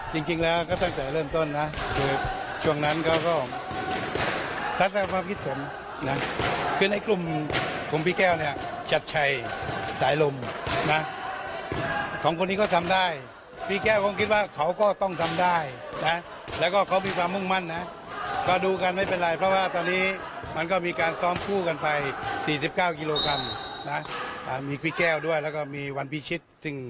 ครับจริงแล้วก็ตั้งแต่เริ่มต้นนะคือช่วงนั้นเขาก็ตั้งแต่ความคิดผมนะคือในกลุ่มของพี่แก้วเนี่ยจัดชัยสายลมนะสองคนนี้ก็ทำได้พี่แก้วเขาคิดว่าเขาก็ต้องทำได้นะแล้วก็เขามีความมั่งมั่นนะก็ดูกันไม่เป็นไรเพราะว่าตอนนี้มันก็มีการซ้อมคู่กันไปสี่สิบเก้ากิโลกรัมนะอ่ามีพี่แก้วด้